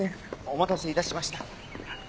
お待たせ致しました。